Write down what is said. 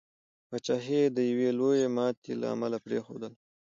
پاچهي یې د یوي لويي ماتي له امله پرېښودله.